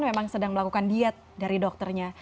dia kan memang sedang melakukan diet dari dokternya